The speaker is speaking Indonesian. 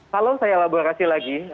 kalau saya elaborasi lagi